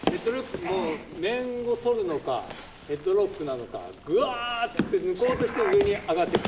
もう面を取るのかヘッドロックなのかぐわって抜こうとして上にあがっていく。